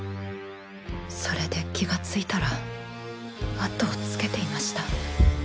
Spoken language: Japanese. それで気がついたら後をつけていました。